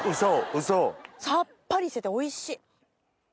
ウソ？さっぱりしてておいしい。